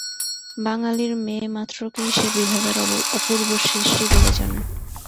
বাঙালির মেয়েমাত্রকেই সে বিধাতার অপূর্ব সৃষ্টি বলে জানে।